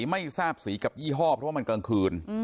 ไม่ทราบสีกับยี่ห้อเพราะว่ามันกลางคืน